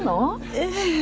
ええ。